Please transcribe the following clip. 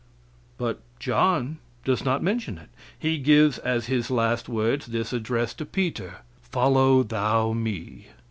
But John does not mention it. He gives as His last words this address to Peter: "Follow thou Me."